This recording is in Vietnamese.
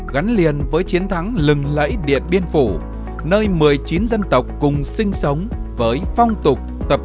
gắn liền với chiến thắng lừng lẫy điện biên phủ nơi một mươi chín dân tộc cùng sinh sống với phong tục tập